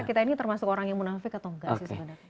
kita ini termasuk orang yang munafik atau enggak sih sebenarnya